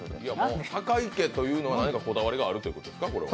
酒井家というのは何かこだわりがあるということですか。